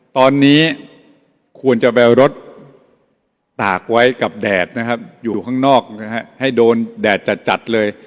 ตอนนี้ควรจะเอารถตากไว้กับแดดแดดอยู่ข้างนอกให้โดนแดดจัดเลย